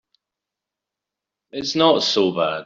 It's not so bad.